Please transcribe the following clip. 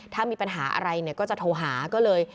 ถ้ามีปัญหาอะไรเนี่ยก็จะโทรหาก็เลย